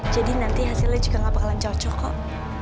jadi nanti hasilnya juga gak bakalan cocok kok